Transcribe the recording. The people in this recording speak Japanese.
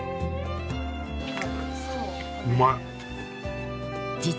うまい。